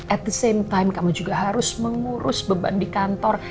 at the same time kamu juga harus mengurus beban di kantor